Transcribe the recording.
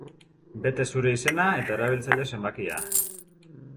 Bete zure izena eta erabiltzaile zenbakia.